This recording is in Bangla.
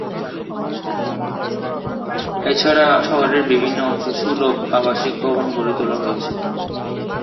এছাড়া শহরের বিভিন্ন অংশে সুলভ আবাসিক ভবন গড়ে তোলা হয়েছে।